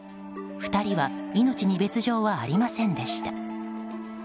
２人は命に別条はありませんでした。